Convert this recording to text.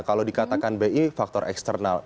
kalau dikatakan bi faktor eksternal